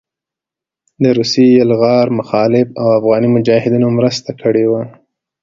د روسي يلغار مخالفت او افغاني مجاهدينو مرسته کړې وه